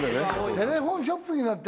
テレホンショッピングだって。